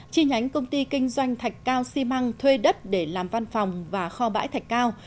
chi nhánh công ty kinh doanh thạch cao xi măng thuê đất để làm văn phòng và kho bãi thạch cao